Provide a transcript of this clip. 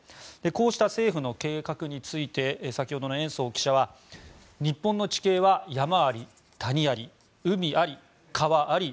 こうした政府の計画について先ほどの延増記者は日本の地形は山あり谷あり海あり川あり